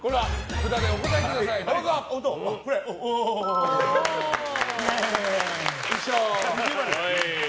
札でお答えください。一緒。